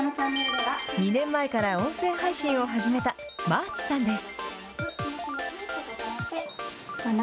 ２年前から音声配信を始めたまあちさんです。